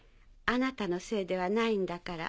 あなたのせいではないんだから。